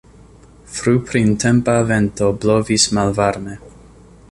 Fruprintempa vento blovis malvarme.